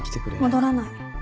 戻らない。